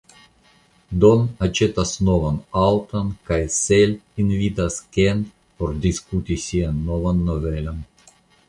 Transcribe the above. Don aĉetas novan aŭton kaj Sel invitas Ken por diskuti sian novan novelon.